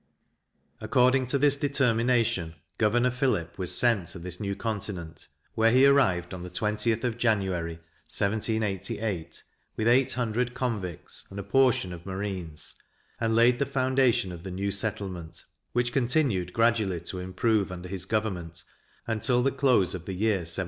According to this determination, Governor Phillip was sent to this new continent, where he arrived on the 20th of January, 1788, with eight hundred convicts, and a portion of marines, and laid the foundation of the new settlement, which continued gradually to improve under his government, until the close of the year 1792.